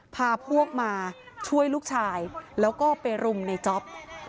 พาพวกมาช่วยลูกชายแล้วก็ไปรุมในจ๊อป